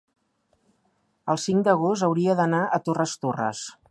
El cinc d'agost hauria d'anar a Torres Torres.